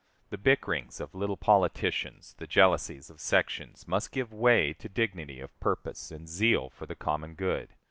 The bickerings of little politicians, the jealousies of sections, must give way to dignity of purpose and zeal for the common good.